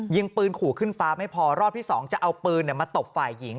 ยิงปืนขู่ขึ้นฟ้าไม่พอรอบที่๒จะเอาปืนมาตบฝ่ายหญิง